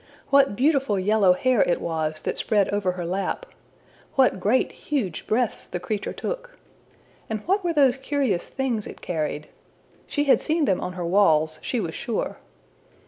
What beautiful yellow hair it was that spread over her lap! What great huge breaths the creature took! And what were those curious things it carried? She had seen them on her walls, she was sure.